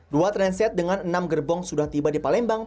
dua transit dengan enam gerbong sudah tiba di palembang